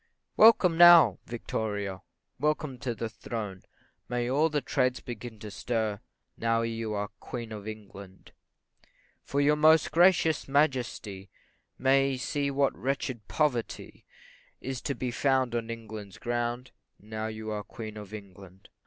Welcome now, VICTORIA! Welcome to the throne! May all the trades begin to stir, Now you are Queen of England; For your most gracious Majesty May see what wretched poverty Is to be found on England's ground, Now you are Queen of England.